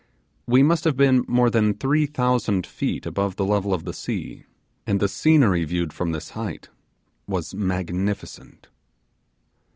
We must have been more than three thousand feet above the level of the sea, and the scenery viewed from this height was magnificent.